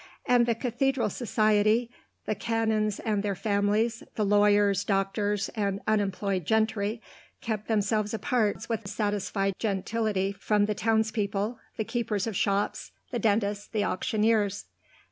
And the Cathedral society, the canons and their families, the lawyers, doctors, and unemployed gentry, kept themselves apart with satisfied gentility from the townspeople, the keepers of shops, the dentists, the auctioneers.